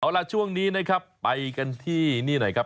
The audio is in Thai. เอาล่ะช่วงนี้นะครับไปกันที่นี่หน่อยครับ